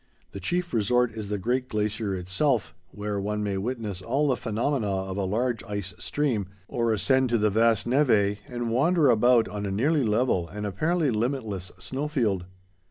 The chief resort is the Great Glacier itself, where one may witness all the phenomena of a large ice stream, or ascend to the vast névé, and wander about on a nearly level, and apparently limitless, snow field.